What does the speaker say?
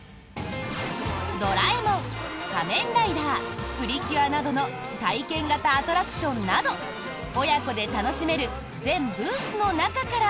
「ドラえもん」「仮面ライダー」「プリキュア」などの体験型アトラクションなど親子で楽しめる全ブースの中から